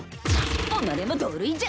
おのれも同類じゃ！